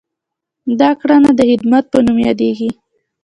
دا کړنه د خدمت په نوم یادیږي.